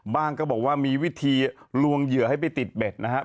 ก็บอกว่ามีวิธีลวงเหยื่อให้ไปติดเบ็ดนะครับ